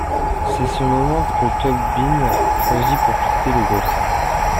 C'est ce moment que Tobe Bean choisit pour quitter le groupe.